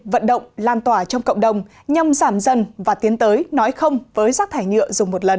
vận động lan tỏa trong cộng đồng nhằm giảm dần và tiến tới nói không với rác thải nhựa dùng một lần